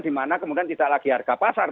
di mana kemudian tidak lagi harga pasar